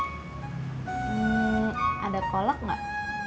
hmm ada kolak gak